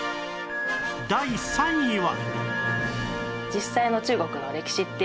第３位は